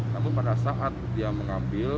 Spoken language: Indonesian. namun pada saat dia mengambil